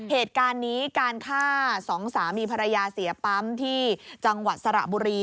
เหตุการณ์นี้การฆ่าสองสามีภรรยาเสียปั๊มที่จังหวัดสระบุรี